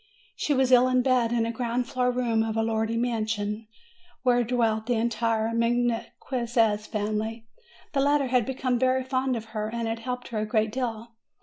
She was ill in bed, in a ground floor room of a lordly mansion, where 284 MAY dwelt the entire Mequinez family. The latter had be come very fond of her, and had helped her a great deal.